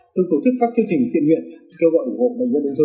từng tổ chức các chương trình thiện nguyện kêu gọi ủng hộ bệnh nhân đơn thư